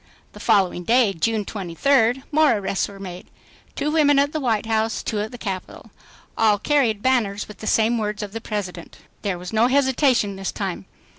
The following day, June 23rd, more arrests were made; two women at the White House, two at the Capitol. All carried banners with the same words of the President. There was no hesitation this time.